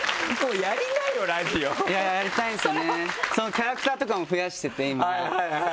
キャラクターとかも増やしてて今。